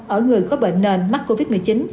ở người có bệnh nền mắc covid một mươi chín